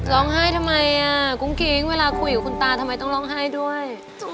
ร้องไห้ทำไมอ่ะกุ้งกิ๊งเวลาคุยกับคุณตาทำไมต้องร้องไห้ด้วย